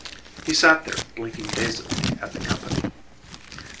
He sat there blinking dazedly at the company.